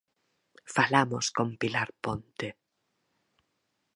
Falamos con Pilar Ponte.